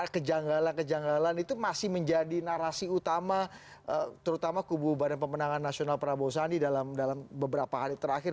kejanggalan kejanggalan itu masih menjadi narasi utama terutama kubu badan pemenangan nasional prabowo sandi dalam beberapa hari terakhir